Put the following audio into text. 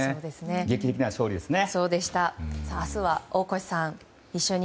劇的な勝利でしたね。